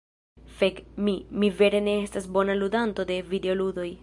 Fek! Mi… Mi vere ne estas bona ludanto de videoludoj.